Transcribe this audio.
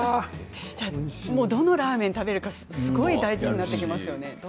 どのラーメン食べるかすごく大事になってきますよね。